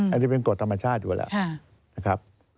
อันนี้เป็นกฎธรรมชาติอยู่แล้วนะครับ